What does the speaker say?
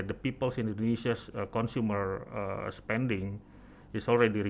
nomor satu penggunaan konsumen di indonesia sudah pulih